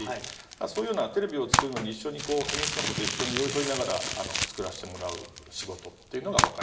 そういうのはテレビを作るのに一緒にこう演出の方と一緒に寄り添いながら作らしてもらう仕事っていうのがわかりやすいですかね。